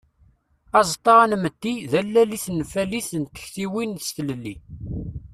Aẓeṭṭa anmetti d allal i tenfalit n tektiwin s tlelli.